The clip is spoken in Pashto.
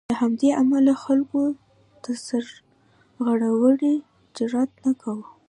له همدې امله خلکو د سرغړاوي جرات نه کاوه.